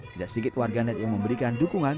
tidak sedikit warganet yang memberikan dukungan